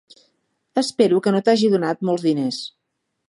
Espero que no t'hagi donat molts diners.